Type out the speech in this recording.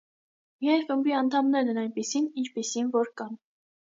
Միայն խմբի անդամներն են այնպիսին, ինչպիսին որ կան։